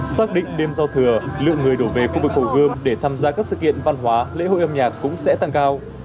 xác định đêm giao thừa lượng người đổ về khu vực hồ gươm để tham gia các sự kiện văn hóa lễ hội âm nhạc cũng sẽ tăng cao